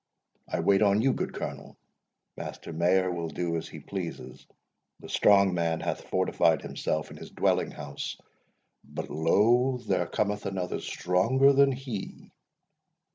I wait on you, good Colonel—Master Mayor will do as he pleases. The strong man hath fortified himself in his dwelling house, but lo, there cometh another stronger than he."